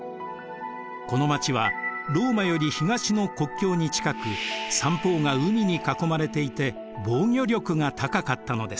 この街はローマより東の国境に近く三方が海に囲まれていて防御力が高かったのです。